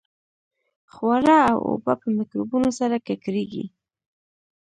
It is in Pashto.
خواړه او اوبه په میکروبونو سره ککړېږي.